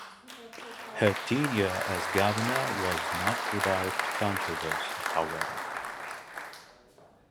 Her tenure as governor was not without controversy, however.